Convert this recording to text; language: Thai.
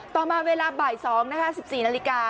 ต่อมาเวลาบ่าย๒นะคะ๑๔นาฬิกา